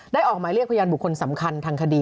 ออกหมายเรียกพยานบุคคลสำคัญทางคดี